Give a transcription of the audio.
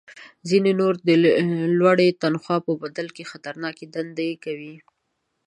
ځینې نور د لوړې تنخوا په بدل کې خطرناکې دندې کوي